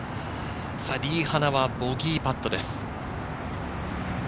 リ・ハナはボギーパットです。